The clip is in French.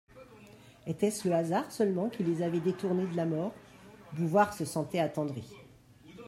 Était-ce le hasard seulement, qui les avait détournés de la mort ? Bouvard se sentait attendri.